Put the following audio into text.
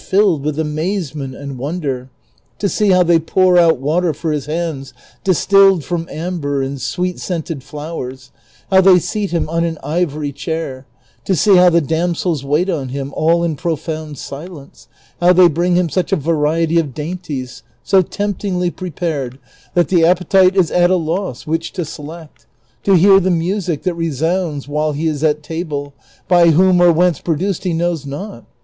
425 filled with amazement and wonder ; to see how they pour out water for his hands distilled from amber and sweet scented flowers ; how they 'seat him on an ivory chair ; to see how the damsels wait on him all in profound silence ; how they bring him such a variety of dainties so temptingly prepared that the appetite is at a loss which to select ; to hear the music that re sounds while he is at ta])le, by whom or whence produced he knows not.